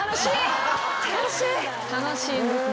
楽しいんですね。